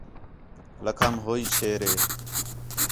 لَکھام ہوئی چھیر ہِے